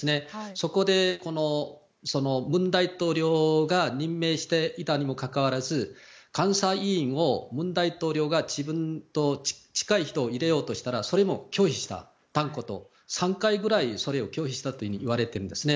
そこで、文大統領が任命していたにもかかわらず監査院を文大統領が自分と近い人を入れようとしたら３回ぐらいそれを拒否したといわれてるんですね。